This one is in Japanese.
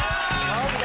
何だ？